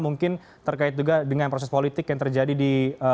mungkin terkait juga dengan proses politik yang terjadi di